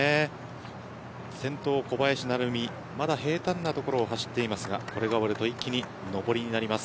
先頭、小林成美まだ平たんなところを走っていますがこれが終わると一気に上りになります。